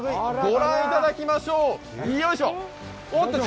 御覧いただきましょう。